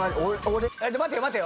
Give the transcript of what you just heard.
待てよ待てよ。